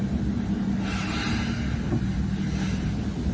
นะครับ